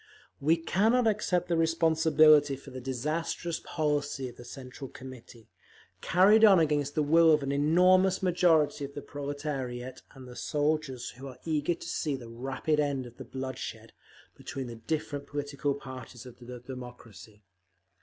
We cannot accept the responsibility for the disastrous policy of the Central Committee, carried on against the will of an enormous majority of the proletariat and the soldiers, who are eager to see the rapid end of the bloodshed between the different political parties of the democracy….